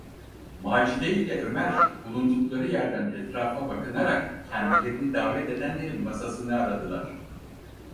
Macide ile Ömer bulundukları yerden etrafa bakınarak kendilerini davet edenlerin masasını aradılar.